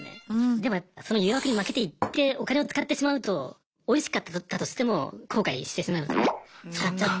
でもやっぱその誘惑に負けて行ってお金を使ってしまうとおいしかったとしても後悔してしまいますね使っちゃったよみたいな。